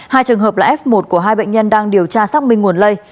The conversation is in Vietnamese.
hai trường hợp là f một của hai bệnh nhân đang điều tra xác minh nguồn lây